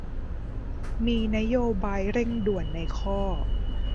มีนโยบายเร่งด่วนในข้อ